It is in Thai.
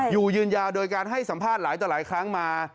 อยู่ยืนยาวโดยการให้สัมภาษณ์หลายต่อหลายครั้งมา